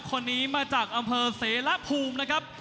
คนนี้มาจากอำเภอเสรภูมินะครับ